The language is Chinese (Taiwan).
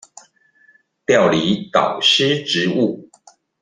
調離導師職務